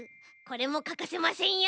これもかかせませんよ。